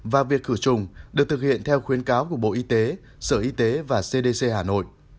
và việc khử trùng được thực hiện theo khuyến cáo của bộ y tế sở y tế và cdc hà nội